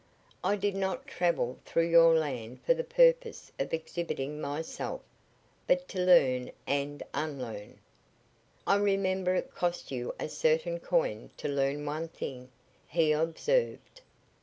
I did not travel through your land for the purpose of exhibiting myself, but to learn and unlearn." "I remember it cost you a certain coin to learn one thing," he observed.